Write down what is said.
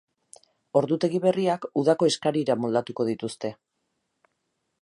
Ordutegi berriak udako eskarira moldatuko dituzte.